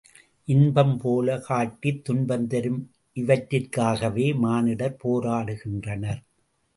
இன்பம் போலக் காட்டித் துன்பம் தரும் இவற்றிற்காகவே மானிடர் போராடுகின்றனர்.